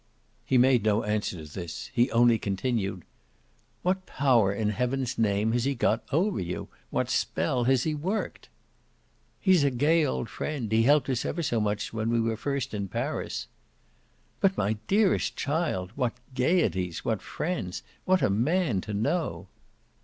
He made no answer to this; he only continued: "What power, in heaven's name, has he got over you? What spell has he worked?" "He's a gay old friend he helped us ever so much when we were first in Paris." "But, my dearest child, what 'gaieties,' what friends what a man to know!"